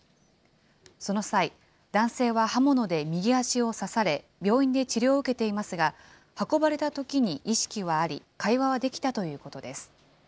その際、男性は刃物で右足を刺され、病院で治療を受けていますが、運ばれたときに意識はあり、会話はできたということです。